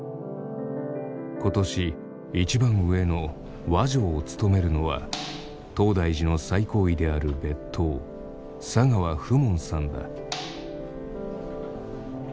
今年一番上の和上を務めるのは東大寺の最高位である別当狹川普文さんだ。